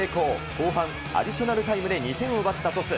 後半アディショナルタイムで２点を奪った鳥栖。